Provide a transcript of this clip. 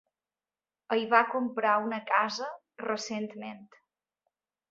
Hi va comprar una casa recentment.